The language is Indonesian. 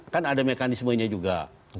kan ada mekanismenya juga